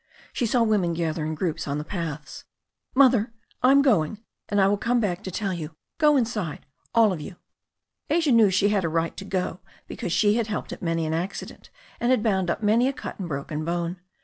She saw women gather in groups on the paths. "Mother, Tm going, and I will come back and tell you. Go inside, all of you." Asia knew she had a right to go because she had helped at many an accident, and had bound up many a cut and broken bone.